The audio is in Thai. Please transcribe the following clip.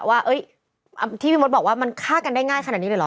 ว่าที่พี่มดบอกว่ามันฆ่ากันได้ง่ายขนาดนี้เลยเหรอ